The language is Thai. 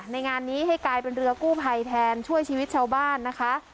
งานนี้ให้กลายเป็นเรือกู้ภัยแทนช่วยชีวิตชาวบ้านนะคะ